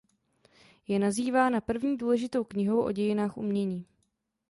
Je nazývána první důležitou knihou o dějinách umění.